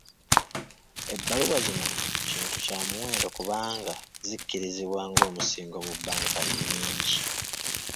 Ebbaluwa zino kintu kya muwendo, kubanga zikkirizibwa ng'omusingo mu bbanka nnyingi.